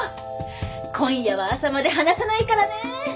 今夜は朝まで離さないからね！